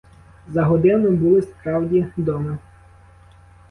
За годину були справді дома.